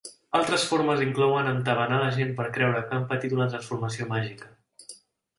Altres formes inclouen entabanar la gent per creure que han patit una transformació màgica.